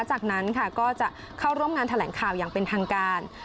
จากนั้นค่ะก็จะเข้าร่วมงานแถลงข่าวอย่างเป็นทางการ